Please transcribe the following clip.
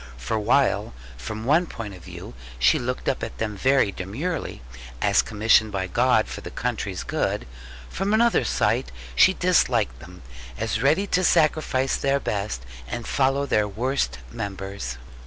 For while, from one point of view she looked up at them very demurely, as commissioned by God for the country's good; from another sight she disliked them, as ready to sacrifice their best and follow their worst members.